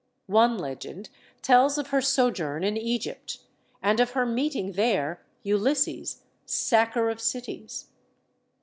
One legend tells of her sojourn in Egypt, and of her meeting, there, Ulysses, "sacker of cities."